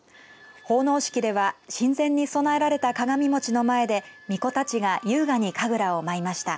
奉納式では神前に供えられた鏡餅の前でみこたちが優雅に神楽を舞いました。